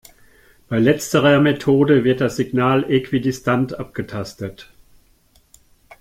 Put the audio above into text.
Bei letzterer Methode wird das Signal äquidistant abgetastet.